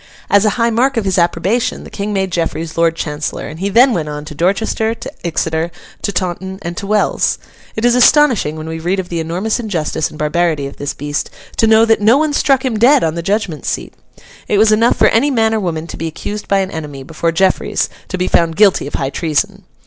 As a high mark of his approbation, the King made Jeffreys Lord Chancellor; and he then went on to Dorchester, to Exeter, to Taunton, and to Wells. It is astonishing, when we read of the enormous injustice and barbarity of this beast, to know that no one struck him dead on the judgment seat. It was enough for any man or woman to be accused by an enemy, before Jeffreys, to be found guilty of high treason.